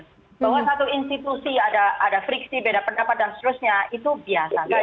bahwa satu institusi ada friksi beda pendapat dan seterusnya itu biasa saja